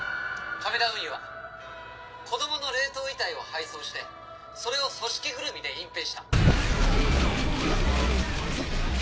亀田運輸は子供の冷凍遺体を配送してそれを組織ぐるみで隠蔽した。